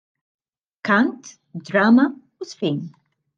Kant, drama u żfin.